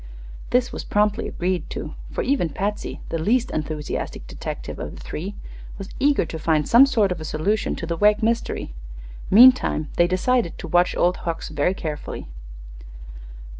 This was promptly agreed to, for even Patsy, the least enthusiastic detective of the three, was eager to find some sort of a solution of the Wegg mystery. Meantime they decided to watch Old Hucks very carefully.